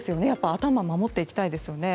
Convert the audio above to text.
頭を守っていきたいですよね。